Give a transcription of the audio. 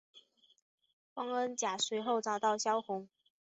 汪恩甲随后找到萧红。